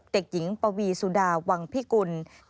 เด็กหญิงปวีสุดาวังพิกุล